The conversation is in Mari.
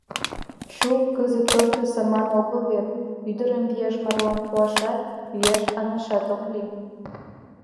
Чу, кызыт тошто саман огыл вет, ӱдырым виеш марлан пуашат, виеш ашнашат ок лий...